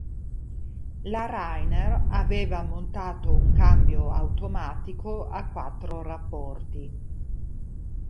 La Rainer aveva montato un cambio automatico a quattro rapporti.